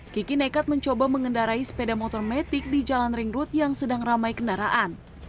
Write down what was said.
kiki nekat mencoba mengendarai sepeda motor metik di jalan ring road yang sedang ramai kendaraan